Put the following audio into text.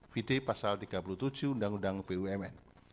vd pasal tiga puluh tujuh undang undang bumn